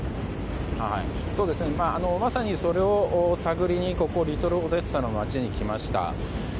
まさにそれを探りにここ、リトル・オデッサの町に来ました。